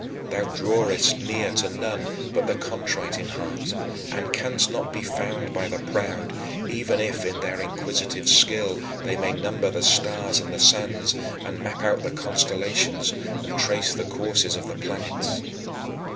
Thou drawest near to none but the contrite in heart, and canst not be found by the proud, even if in their inquisitive skill they may number the stars and the sands, and map out the constellations, and trace the courses of the planets.